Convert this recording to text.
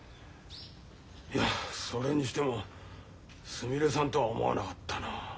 いやそれにしてもすみれさんとは思わなかったな。